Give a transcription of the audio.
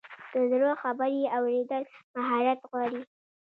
د زړه خبرې اورېدل مهارت غواړي.